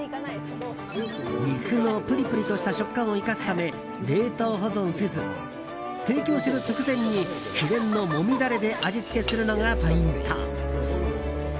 肉のぷりぷりとした食感を生かすため冷凍保存せず、提供する直前に秘伝のもみダレで味付けするのがポイント。